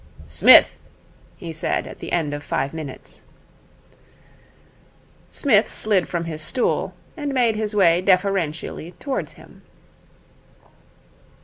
'Smith,' he said at the end of five minutes. Psmith slid from his stool, and made his way deferentially towards him.